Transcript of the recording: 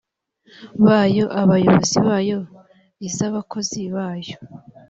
bayo abayobozi bayo iz abakozi bayo